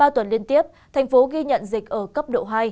ba tuần liên tiếp thành phố ghi nhận dịch ở cấp độ hai